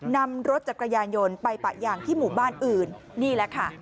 นำรถจักรยานยนต์ไปปะยางที่หมู่บ้านอื่นนี่แหละค่ะ